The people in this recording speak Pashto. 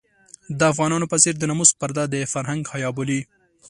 د افغانانو په څېر د ناموس پرده د فرهنګ حيا بولي.